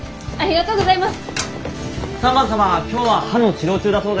ありがとうございます。